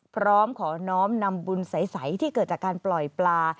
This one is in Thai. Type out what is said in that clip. พร้อมขอน้อมนำบุญใสที่เกิดจากการปล่อยปลา